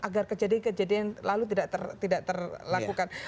agar kejadian kejadian lalu tidak terlakukan